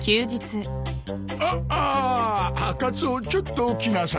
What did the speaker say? あっああカツオちょっと来なさい。